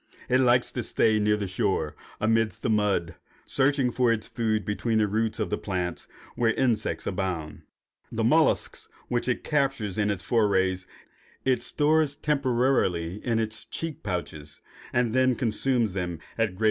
It likes to stay near the shore, amidst the mud, searching for its food between the roots of the plants, where insects abound. The mollusks which it captures in its forays it stores temporarily in its cheek pouches and then consumes them at greater leisure.